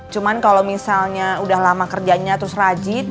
cuman kalo misalnya udah lama kerjanya terus rajit